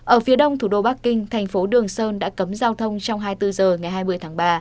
ở phía đông thủ đô bắc kinh thành phố đường sơn đã cấm giao thông trong hai mươi bốn h ngày hai mươi tháng ba